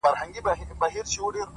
o اوس په ځان پوهېږم چي مين يمه؛